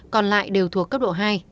còn lại đều thuộc cấp độ hai